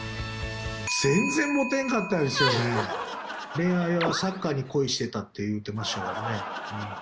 恋愛は「サッカーに恋していた」って言ってましたからね。